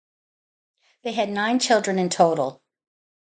They had nine children in total.